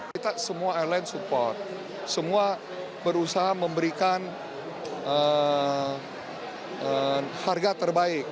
kita semua airline support semua berusaha memberikan harga terbaik